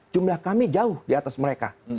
jumlah kami jauh di atas mereka